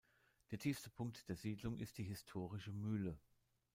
Der tiefste Punkt der Siedlung ist die historische Mühle.